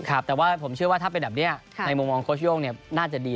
ครับแต่ว่าผมเชื่อว่าถ้าเป็นแบบนี้ในมุมมองโค้ชโย่งน่าจะดี